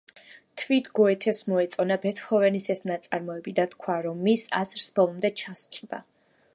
თვით გოეთეს მოეწონა ბეთჰოვენის ეს ნაწარმოები და თქვა, რომ მის აზრს ბოლომდე ჩასწვდა.